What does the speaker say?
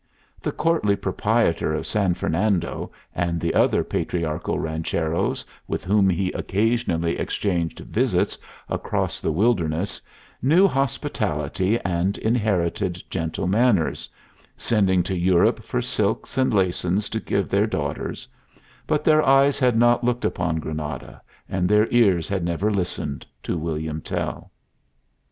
The courtly proprietor of San Fernando and the other patriarchal rancheros with whom he occasionally exchanged visits across the wilderness knew hospitality and inherited gentle manners, sending to Europe for silks and laces to give their daughters; but their eyes had not looked upon Granada, and their ears had never listened to William Tell.